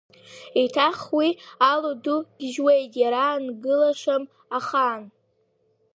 Еиҭах уи алу ду гьежьуеит, иара аангылашам ахаан…